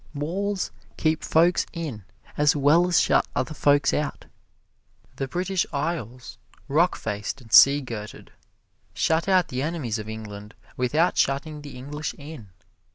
Walls keep folks in as well as shut other folks out. The British Isles, rock faced and sea girted, shut out the enemies of England without shutting the English in.